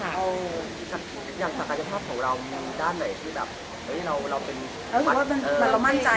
อย่างสังใยภาพของเรามุมด้านไหน